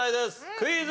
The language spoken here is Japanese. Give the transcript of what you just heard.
クイズ。